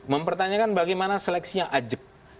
mempertanyakan bagaimana seleksi yang ajak